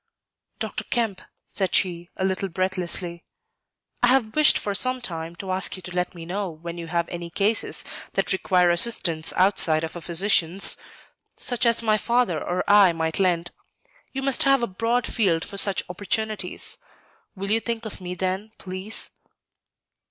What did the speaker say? "Dr. Kemp," said she, a little breathlessly, "I have wished for some time to ask you to let me know when you have any cases that require assistance outside of a physician's, such as my father or I might lend. You must have a broad field for such opportunities. Will you think of me then, please?"